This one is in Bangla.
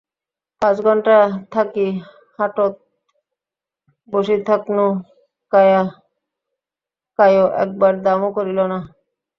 পাঁচ ঘণ্টা থাকি হাটোত বসি থাকনু কায়ো একবার দামও করিল না।